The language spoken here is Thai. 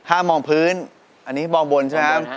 ถ้ามองพื้นอันนี้มองบนใช่ครับ